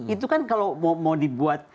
itu kan kalau mau dibuat